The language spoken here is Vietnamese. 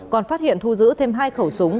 còn phát hiện thu giữ thêm hai khẩu súng